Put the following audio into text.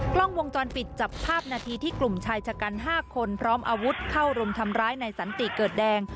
กล้องวงจรปิดจับภาพนาทีที่กลุ่มชายชะกัน๕คนพร้อมอาวุธเข้ารุมทำร้ายในสันติเกิดแดง